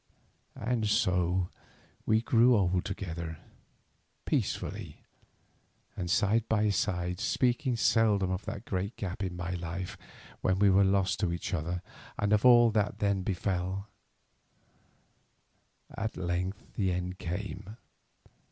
And so we grew old together, peacefully, and side by side, speaking seldom of that great gap in my life when we were lost to each other and of all that then befell. At length the end came.